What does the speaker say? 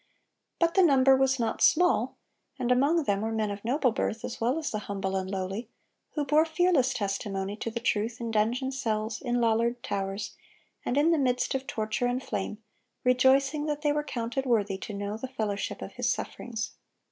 But the number was not small—and among them were men of noble birth as well as the humble and lowly—who bore fearless testimony to the truth in dungeon cells, in "Lollard towers," and in the midst of torture and flame, rejoicing that they were counted worthy to know "the fellowship of His sufferings."